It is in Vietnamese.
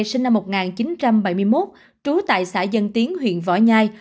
sinh năm một nghìn chín trăm bảy mươi một trú tại xã dân tiến huyện võ nhai